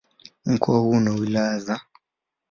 Mkoa huu una wilaya za